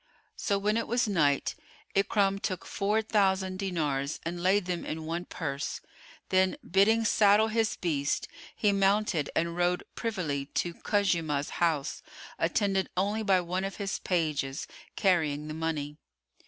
So when it was night, Ikrimah took four thousand dinars and laid them in one purse; then, bidding saddle his beast, he mounted and rode privily to Khuzaymah's house, attended only by one of his pages, carrying the money.